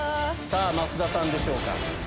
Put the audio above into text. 増田さんでしょうか？